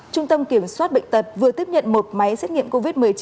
trung tâm kiểm soát bệnh tật vừa tiếp nhận một máy xét nghiệm covid một mươi chín